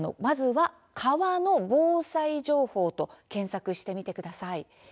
「川の防災情報」と検索してみてください。